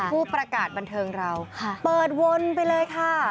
ผู้ประกาศบันเทิงเราเปิดวนไปเลยค่ะ